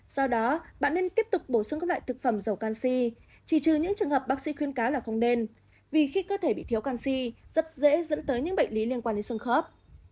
do đó bạn nên tiếp tục bổ sung các loại thực phẩm dầu canxi chỉ trừ những trường hợp bác sĩ khuyên cáo là không nên vì khi cơ thể bị thiếu canxi rất dễ dẫn tới những bệnh lý liên quan đến xương khớp